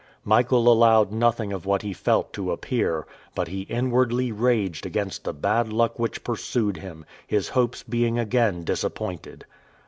Michael allowed nothing of what he felt to appear, but he inwardly raged against the bad luck which pursued him, his hopes being again disappointed.